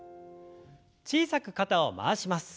小さく肩を回します。